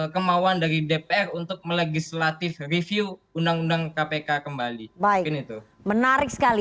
kemauan dari dpr untuk melegislatif review undang undang kpk kembali baik ini tuh menarik sekali